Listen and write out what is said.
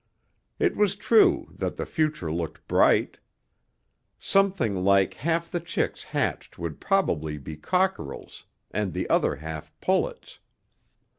It was true that the future looked bright. Something like half the chicks hatched would probably be cockerels and the other half pullets.